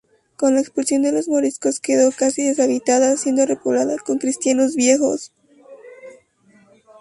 Con la expulsión de los moriscos, quedó casi deshabitada, siendo repoblada con cristianos viejos.